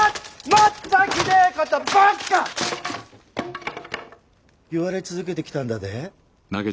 まっとひでえことばっか言われ続けてきたんだで？